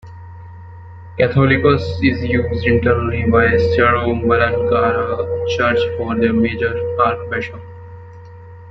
"Catholicos" is used internally by the Syro-Malankara Church for their major archbishop.